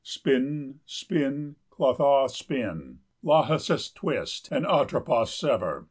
Spin, spin, Clotho, spin! Lachesis, twist! and, Atropos, sever!